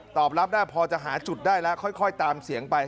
ตอบรับได้พอจะหาจุดได้แล้วค่อยตามเสียงไป